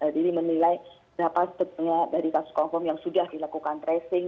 jadi memilih berapa setengah dari kasus konfirm yang sudah dilakukan tracing